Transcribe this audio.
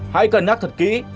hãy cẩn nhắc thật kỹ